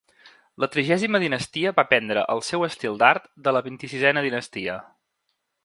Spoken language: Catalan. La trigèsima dinastia va prendre el seu estil d'art de la vint-i-sisena dinastia.